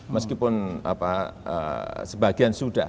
meskipun sebagian sudah